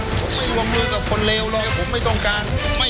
ผมไม่วงมือกับคนเลวเลยผมไม่ต้องการ